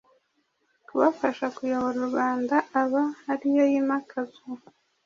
kubafasha kuyobora u Rwanda aba ariyo yimakazwa